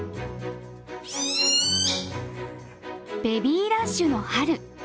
ベビーラッシュの春。